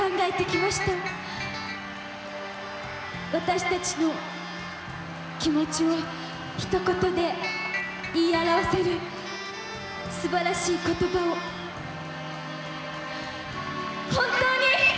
私たちの気持ちをひと言で言い表せるすばらしい言葉を本当に。